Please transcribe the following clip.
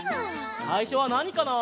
さいしょはなにかな？